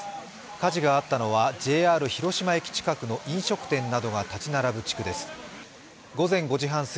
火事があったのはＪＲ広島駅近くの飲食店が立ち並ぶ地区です。